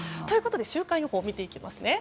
週間予報見ていきますね。